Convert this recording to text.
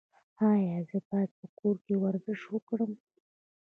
ایا زه باید په کور کې ورزش وکړم؟